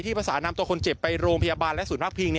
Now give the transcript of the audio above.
ที่พัฒนานำตกค์ไปโรงพยาบาลและศูนย์ภาคพีง